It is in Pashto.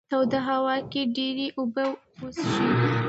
توده هوا کې ډېرې اوبه وڅښئ.